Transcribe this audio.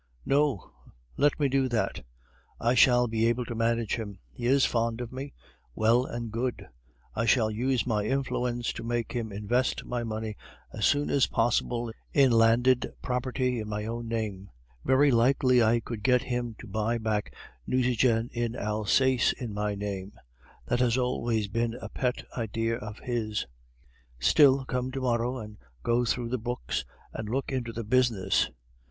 "No, let me do that; I shall be able to manage him. He is fond of me, well and good; I shall use my influence to make him invest my money as soon as possible in landed property in my own name. Very likely I could get him to buy back Nucingen in Alsace in my name; that has always been a pet idea of his. Still, come to morrow and go through the books, and look into the business. M.